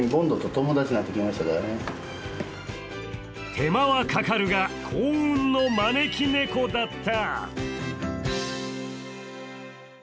手間はかかるが幸運の招き猫だった。